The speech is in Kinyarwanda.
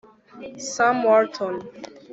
sam walton